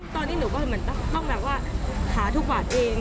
ตอนนี้หนูก็เหมือนต้องแบบว่าหาทุกบาทเอง